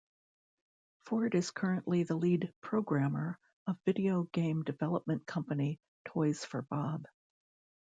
Ford is currently the lead programmer of video game development company Toys for Bob.